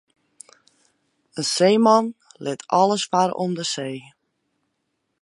In seeman lit alles farre om de see.